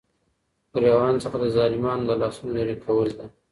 ګريوان څخه دظالمانو دلاسونو ليري كول دي ،